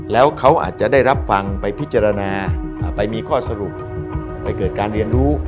แล้วเขาอาจจะได้รับฟังไปพิจารณาไปมีข้อสรุปไปเกิดการเรียนรู้